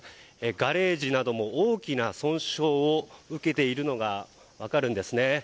ガレージなども大きな損傷を受けているのが分かるんですね。